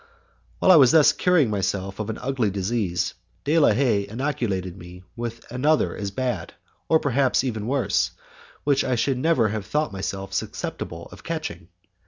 While I was thus curing myself of an ugly disease, De la Haye inoculated me with another as bad, perhaps even worse, which I should never have thought myself susceptible of catching.